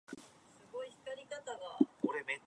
えっちしたいな